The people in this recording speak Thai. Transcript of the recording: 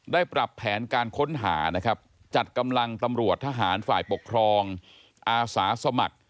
ปรับแผนการค้นหานะครับจัดกำลังตำรวจทหารฝ่ายปกครองอาสาสมัคร